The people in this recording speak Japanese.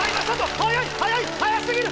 速すぎる！